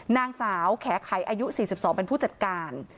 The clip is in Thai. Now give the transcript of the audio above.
นางสาวแข๊ะไข่อายุ๔๒บรรย์เป็นผู้จัดการ